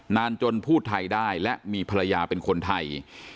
นานจนพูดไทยได้และมีภรรยาเป็นคนไทย